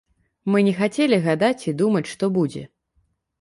Мы не хацелі гадаць і думаць, што будзе.